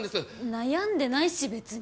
悩んでないし別に。